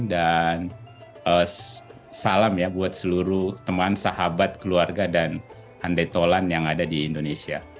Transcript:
dan salam ya buat seluruh teman sahabat keluarga dan handai tolan yang ada di indonesia